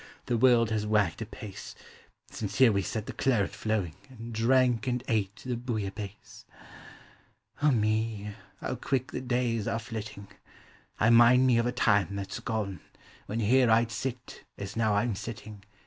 the world has wagged apace Since here we set the Claret flowing, And drank, and ate the Bouillabaisse. 30(5 i'OHMS OF FRiKxnsnir. All me! how quirk the davs are flitting! I mind me of a time that 'a gone, When here I 'd sit. as now I 'm sitting.